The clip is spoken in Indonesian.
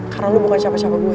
karena lo bukan siapa siapa gue